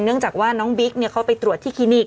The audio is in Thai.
เนื่องจากว่าน้องบิ๊กเขาไปตรวจที่คลินิก